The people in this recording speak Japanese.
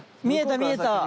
見えた見えた。